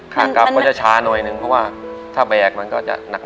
ในแคมเปญพิเศษเกมต่อชีวิตโรงเรียนของหนู